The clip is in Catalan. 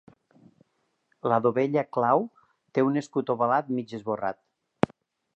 La dovella clau té un escut ovalat mig esborrat.